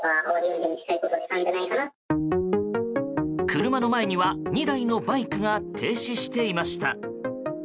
車の前には、２台のバイクが停止していました。